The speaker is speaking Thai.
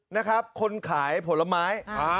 นะครับคนขายผลไม้